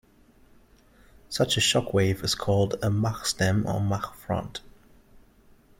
Such a shock wave is called a Mach stem or Mach front.